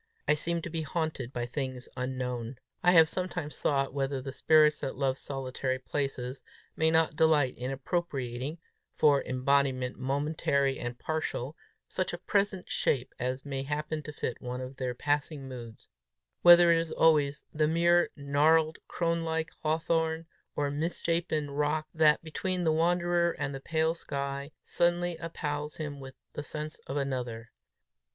I seemed to be haunted by things unknown. I have sometimes thought whether the spirits that love solitary places, may not delight in appropriating, for embodiment momentary and partial, such a present shape as may happen to fit one of their passing moods; whether it is always the mere gnarled, crone like hawthorn, or misshapen rock, that, between the wanderer and the pale sky, suddenly appals him with the sense of another.